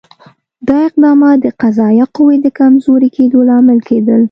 دا اقدامات د قضایه قوې د کمزوري کېدو لامل کېدل.